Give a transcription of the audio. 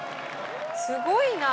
すごいな！